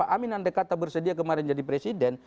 ada kata bersedia kemarin jadi presiden